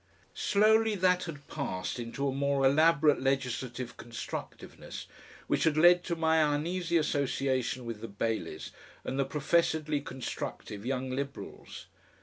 Slowly that had passed into a more elaborate legislative constructiveness, which had led to my uneasy association with the Baileys and the professedly constructive Young Liberals.